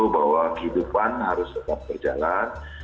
bahwa kehidupan harus tetap berjalan